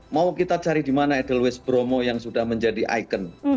mau kita cari di mana edelweiss bromo yang sudah menjadi ikon